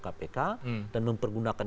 kpk dan mempergunakan